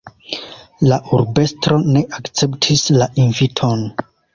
La urbestro ne akceptis la inviton.